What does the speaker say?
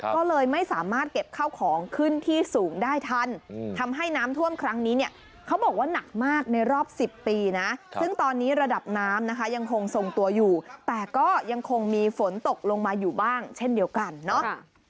ก็เลยไม่สามารถเก็บข้าวของขึ้นที่สูงได้ทันทำให้น้ำท่วมครั้งนี้เนี่ยเขาบอกว่าหนักมากในรอบ๑๐ปีนะซึ่งตอนนี้ระดับน้ำนะคะยังคงทรงตัวอยู่แต่ก็ยังคงมีฝนตกลงมาอยู่บ้างเช่นเดียวกันเนาะ